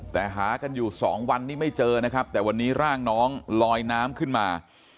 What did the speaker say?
แต่หากันอยู่สองวันนี้ไม่เจอนะครับแต่วันนี้ร่างน้องลอยน้ำขึ้นมา